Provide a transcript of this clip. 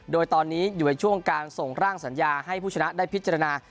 โดยตอนนี้อยู่ในช่วงการส่งร่างสัญญาให้ผู้ชนะได้พิจารณา